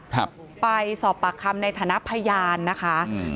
ครับไปสอบปากคำในฐานะพยานนะคะอืม